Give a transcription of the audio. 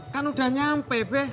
kan udah nyampe be